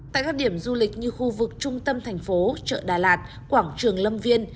tại các điểm du lịch như khu vực trung tâm thành phố chợ đà lạt quảng trường lâm viên